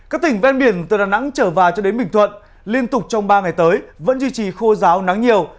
các tỉnh ven biển từ đà nẵng trở vào cho đến bình thuận liên tục trong ba ngày tới vẫn duy trì khô ráo nắng nhiều